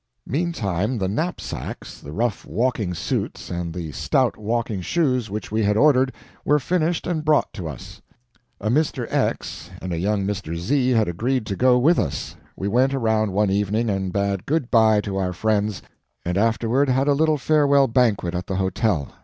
Meantime the knapsacks, the rough walking suits and the stout walking shoes which we had ordered, were finished and brought to us. A Mr. X and a young Mr. Z had agreed to go with us. We went around one evening and bade good by to our friends, and afterward had a little farewell banquet at the hotel.